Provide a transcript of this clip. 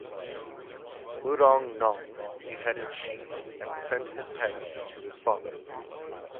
Murong Nong beheaded Shi and sent his head to his father.